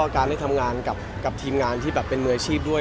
การได้ทำงานกับทีมงานที่แบบเป็นมืออาชีพด้วย